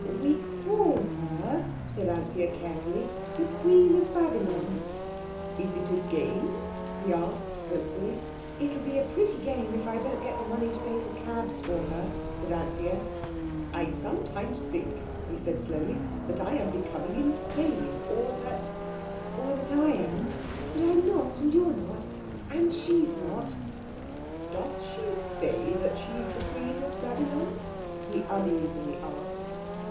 "We call her," said Anthea carefully, "the Queen of Babylon." "Is it a game?" he asked hopefully. "It'll be a pretty game if I don't get the money to pay for cabs for her," said Anthea. "I sometimes think," he said slowly, "that I am becoming insane, or that—" "Or that I am; but I'm not, and you're not, and she's not." "Does she say that she's the Queen of Babylon?" he uneasily asked.